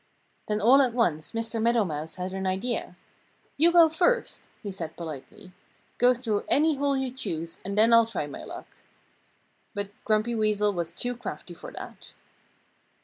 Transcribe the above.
Then all at once Mr. Meadow Mouse had an idea. "You go first!" he said politely. "Go through any hole you choose and then I'll try my luck." But Grumpy Weasel was too crafty to do that.